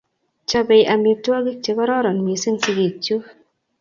Chope amitwogik che kororon missing' sigik chuk